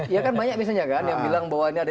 ya kan banyak misalnya kan yang bilang bahwa ini ada